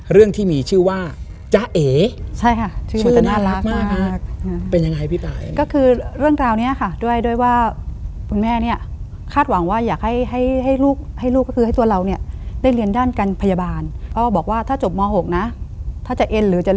เรื่องที่มีชื่อว่าจ๊ะ